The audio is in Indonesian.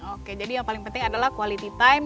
oke jadi yang paling penting adalah quality time